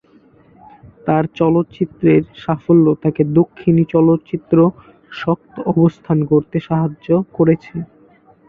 তার চলচ্চিত্রের সাফল্য তাকে দক্ষিণী চলচ্চিত্র শক্ত অবস্থান গড়তে সাহায্য। করেছে।